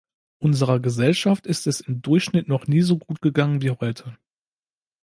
Unserer Gesellschaft ist es im Durchschnitt noch nie so gut gegangen wie heute.